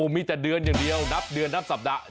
มีแต่เดือนอย่างเดียวนับเดือนนับสัปดาห์